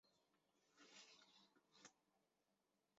圣沙蒙站每天开行前往圣艾蒂安和里昂方向的列车。